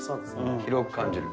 広く感じる。